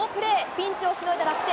ピンチをしのいだ楽天。